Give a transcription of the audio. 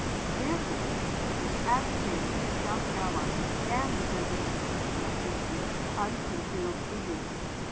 Therefore the agitators of South Carolina scanned the President's message with unconcealed eagerness.